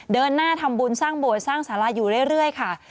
เดินหน้าทำบุญสร้างโบสถสร้างสาราอยู่เรื่อยค่ะ